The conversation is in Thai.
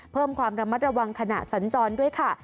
เพิ่มความระมัดระวังขณะสัญจรด้วยค่ะ